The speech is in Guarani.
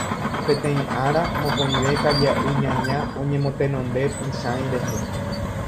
Peteĩ ára, mokõive karia'y ñaña oñemotenonde Pychãi rehe.